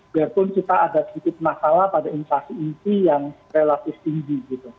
biarpun kita ada sedikit masalah pada inflasi inti yang relatif tinggi